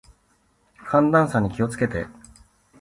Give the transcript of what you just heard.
寒暖差に気を付けて。